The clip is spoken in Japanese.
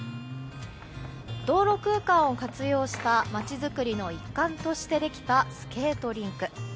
道路空間を活用した街づくりの一環としてできたスケートリンク。